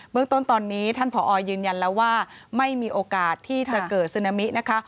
เมืองต้นตอนนี้ท่านผอยืนยันแล้วว่าไม่มีโอกาสที่จะเกิดซึนามินะคะ